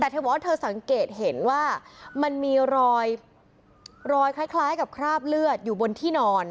แต่เธอบอกว่าเธอสังเกตเห็นว่ามันมีรอยคล้ายกับคราบเลือดอยู่บนที่นอน